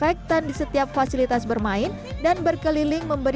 seolah dua pasti prosesnya kotor deh